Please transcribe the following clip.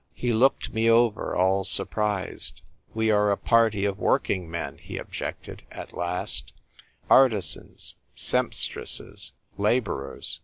He looked me over, all surprised. "We are a party of working men," he objected, at last ; "artisans, sempstresses, labourers.